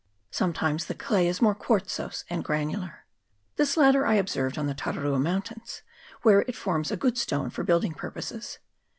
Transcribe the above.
Sometimes the clay is more quartzose and granular. This latter I observed on the Tara rua Mountains, where it forms a good stone for building purposes.